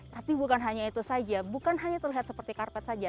tapi bukan hanya itu saja bukan hanya terlihat seperti karpet saja